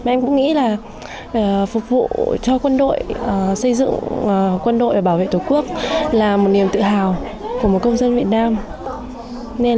em cũng nghĩ là phục vụ cho quân đội xây dựng quân đội và bảo vệ tổ quốc là một niềm tự hào của một công dân việt nam